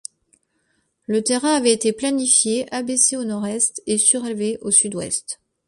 Le terrain avait été planifié, abaissé au nord-est et surélevé au sud-ouest.